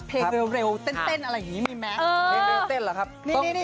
เดี๋ยวเราตอนนั้นป้องกัน